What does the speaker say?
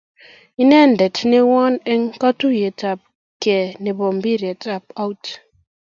Inendet newon en katuyet ab kee nebo mpiret ab out